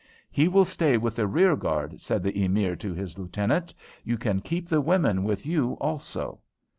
"He will stay with the rearguard," said the Emir to his lieutenant. "You can keep the women with you also."